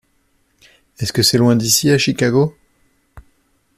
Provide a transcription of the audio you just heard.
Est-ce que c’est loin d’ici à Chicago ?